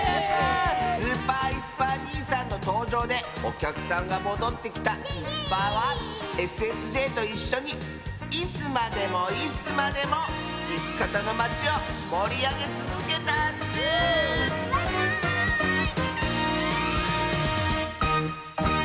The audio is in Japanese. スーパーいすパーにいさんのとうじょうでおきゃくさんがもどってきたいすパーはＳＳＪといっしょにいすまでもいすまでもいすかたのまちをもりあげつづけたッスバイバーイ！